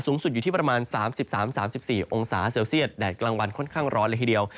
สูงสุดอยู่ที่ประมาณ๓๓๔องศาเซลเซียตแดดกลางวันค่อนข้างร้อนเลยทีเดียว